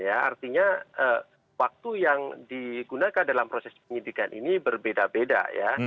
artinya waktu yang digunakan dalam proses penyidikan ini berbeda beda ya